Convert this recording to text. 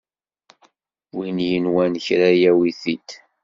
Win yenwan kra yawi-t-id!